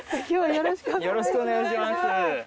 よろしくお願いします。